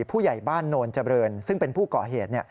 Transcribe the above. ผู้ใหญ่บ้านโนนเจริญซึ่งเป็นผู้ก่อเหตุ